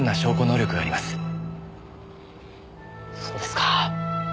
そうですか。